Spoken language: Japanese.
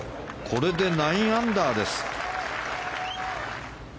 これで９アンダーです。